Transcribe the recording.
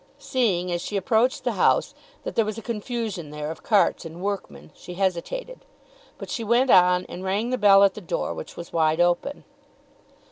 Seeing, as she approached the house, that there was a confusion there of carts and workmen, she hesitated. But she went on, and rang the bell at the door, which was wide open.